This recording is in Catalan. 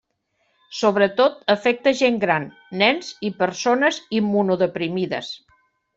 Sobretot afecta gent gran, nens i persones immunodeprimides.